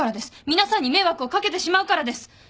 皆さんに迷惑を掛けてしまうからです。